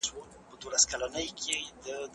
د بې وزلو او یتیمانو حقوق مه هېروئ.